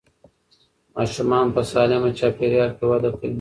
ماشومان په سالمه چاپېریال کې وده کوي.